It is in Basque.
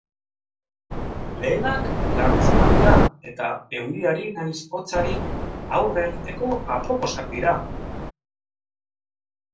Lehenak larruzkoak dira eta euriari nahiz hotzari aurre egiteko aproposak dira.